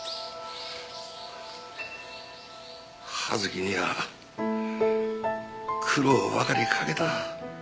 葉月には苦労ばかりかけた。